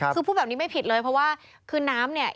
คือพูดแบบนี้ไม่ผิดเลยเพราะว่าคือน้ำเนี่ย